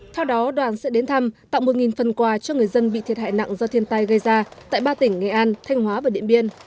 theo đó đoàn sẽ đến thăm tặng một phần quà cho người dân bị thiệt hại nặng do thiên tai gây ra tại ba tỉnh nghệ an thanh hóa và điện biên